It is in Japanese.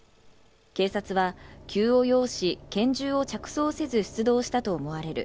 警察は急を要し、拳銃を着装せず出動したと思われる。